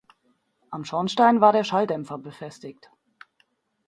Am Schornstein war der Schalldämpfer befestigt.